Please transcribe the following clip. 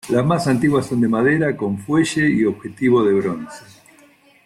La más antiguas son de madera, con fuelle y objetivo de bronce.